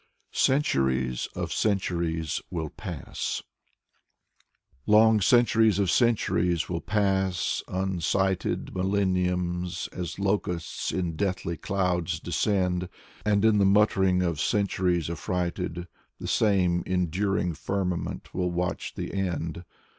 74 Konstantin Balmont CENTURIES OF CENTURIES WILL PASS Long centuries of centuries will pass, unsighted Millenniums as locusts in deathy clouds descend, And in the muttering of centuries affrighted The same enduring firmament will watch the end.